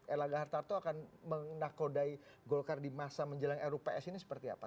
erlangga hartarto akan menakodai golkar di masa menjelang rups ini seperti apa